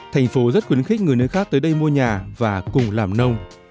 thành phố rất khuyến khích người nơi khác tới đây mua nhà và cùng làm nông